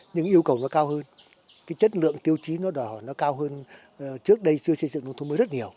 nhưng yêu cầu nó cao hơn chất lượng tiêu chí nó đỏ nó cao hơn trước đây xây dựng nông thôn mới rất nhiều